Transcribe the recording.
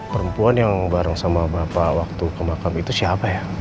perempuan yang bareng sama bapak waktu ke makam itu siapa ya